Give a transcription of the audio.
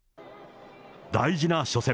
大事な初戦。